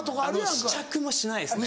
試着もしないですね。